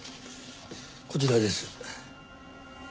こちらです。